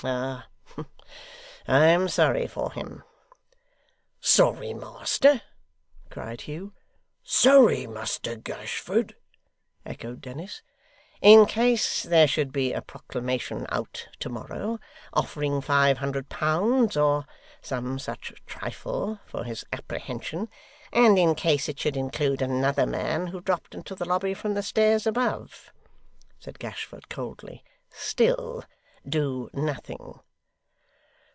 Ah! I am sorry for him.' 'Sorry, master!' cried Hugh. 'Sorry, Muster Gashford!' echoed Dennis. 'In case there should be a proclamation out to morrow, offering five hundred pounds, or some such trifle, for his apprehension; and in case it should include another man who dropped into the lobby from the stairs above,' said Gashford, coldly; 'still, do nothing.